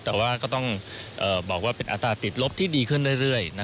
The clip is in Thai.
แต่ว่าก็ต้องบอกว่าเป็นอัตราติดลบที่ดีขึ้นเรื่อย